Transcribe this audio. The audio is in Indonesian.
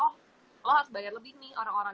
oh lo harus bayar lebih nih orang orang